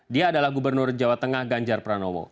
dia adalah gubernur jawa tengah ganjar pranowo